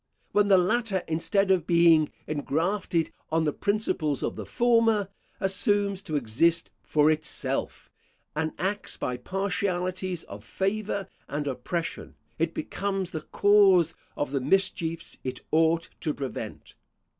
When the latter, instead of being ingrafted on the principles of the former, assumes to exist for itself, and acts by partialities of favour and oppression, it becomes the cause of the mischiefs it ought to prevent.